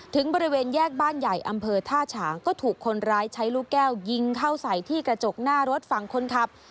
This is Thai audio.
ถึงบริเวณแยกบ้านใหญ่อำเภอท่าฉางก็ถูกคนร้ายใช้ลูกแก้วยิงเข้าใส่ที่กระจกหน้ารถฝั่งคนขับ